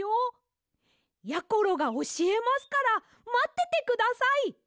やころがおしえますからまっててください。